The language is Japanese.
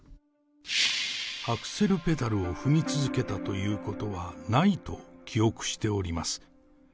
アクセルペダルを踏み続けたということはないと記憶しております。